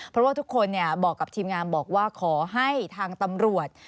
เพราะว่าทุกคนบอกกับทีมงานบอกว่าขอให้ทางตำรวจ